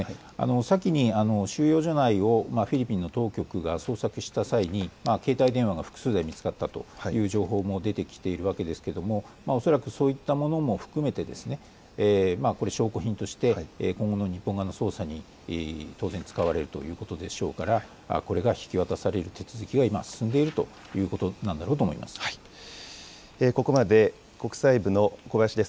先に収容所内、フィリピンの当局が捜索した際に携帯電話が複数見つかったという情報も出てきているわけですが、恐らくそういったものも含めて証拠品として日本側の捜査に当然、使われるということでしょうからこれが引き渡される手続きが今、進んでいるということなんだろうと思います。